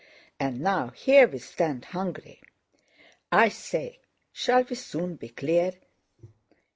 And now here we stand hungry." "I say, shall we soon be clear?